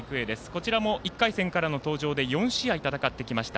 こちらも、１回戦からの登場で４試合戦ってきました。